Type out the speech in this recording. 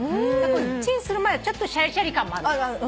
チンする前はシャリシャリ感もある。